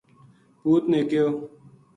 پوت نے کہیو